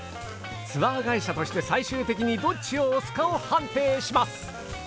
ツアー会社として最終的にどっちを推すかを判定します！